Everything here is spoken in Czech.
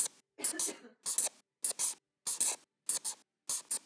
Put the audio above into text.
Správa byla přenesena do tohoto kostela Nejsvětější Trojice.